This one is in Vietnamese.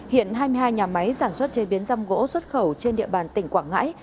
hiện hai mươi hai nhà máy sản xuất chế biến răm gỗ xuất khẩu trên địa bàn tỉnh quảng ngãi